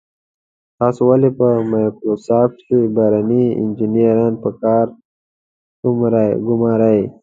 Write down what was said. تاسو ولې په مایکروسافټ کې بهرني انجنیران په کار ګمارئ.